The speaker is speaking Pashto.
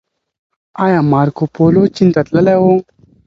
ايا مارکوپولو چين ته تللی و؟